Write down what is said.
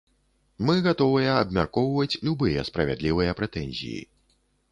Мы гатовыя абмяркоўваць любыя справядлівыя прэтэнзіі.